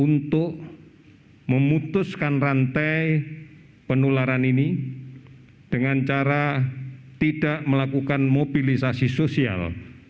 untuk memutuskan rantai penularan ini dengan cara tidak melakukan mobilisasi sosial